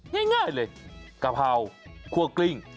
ง่ายนะคะให้เห็นเลยกาเพราขั่วกลิ้ง